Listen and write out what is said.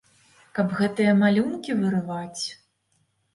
Каб гэтыя малюнкі вырываць?